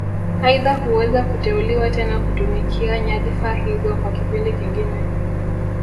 Aidha huweza kuteuliwa tena kutumikia nyadhifa hizo kwa kipindi kingine